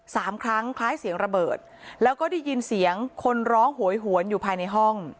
สามครั้งคล้ายเสียงระเบิดแล้วก็ได้ยินเสียงคนร้องโหยหวนอยู่ภายในห้อง